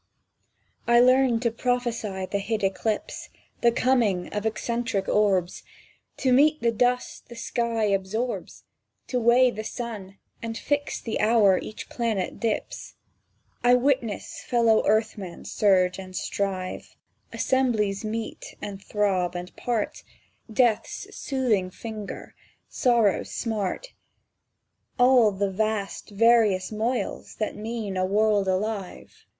I learn to prophesy the hid eclipse, The coming of eccentric orbs; To mete the dust the sky absorbs, To weigh the sun, and fix the hour each planet dips. I witness fellow earth men surge and strive; Assemblies meet, and throb, and part; Death's soothing finger, sorrow's smart; —All the vast various moils that mean a world alive.